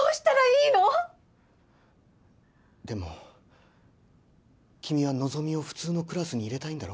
でも君は希を普通のクラスに入れたいんだろ？